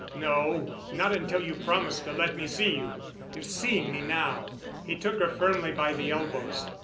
"No—not until you promise to let me see you." "You're seeing me now." He took her firmly by the elbows.